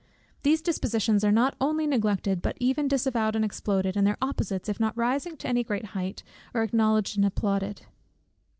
These dispositions are not only neglected, but even disavowed and exploded, and their opposites, if not rising to any great height, are acknowledged and applauded.